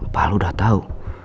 pak al udah tahu